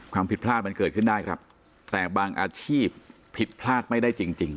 ความผิดพลาดมันเกิดขึ้นได้ครับแต่บางอาชีพผิดพลาดไม่ได้จริง